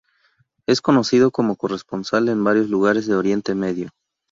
Es conocido como corresponsal en varios lugares de Oriente Medio.